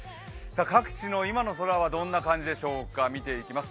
各地の今の空はどんな感じでしょうか、見ていきます。